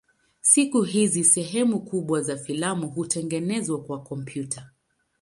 Siku hizi sehemu kubwa za filamu hutengenezwa kwa kompyuta.